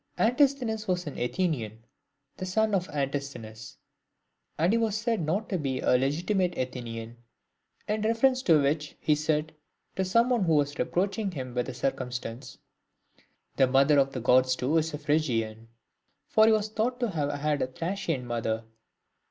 I. ANTISTHENES was an Athenian, the son of Antisthenes. And he was said not to be a legitimate Athenian ; in reference to which he said to some one who was reproaching him with the circumstance, " The mother of the Gods too is a Phry gian ;" for he was thought to have had a Thracian mother.